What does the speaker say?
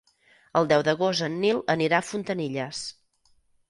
El deu d'agost en Nil anirà a Fontanilles.